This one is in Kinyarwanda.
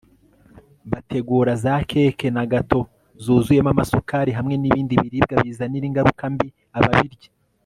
bategura za keke na gato zuzuyemo amasukari hamwe n'ibindi biribwa bizanira ingaruka mbi ababirya